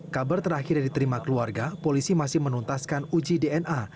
kabar terakhir yang diterima keluarga polisi masih menuntaskan uji dna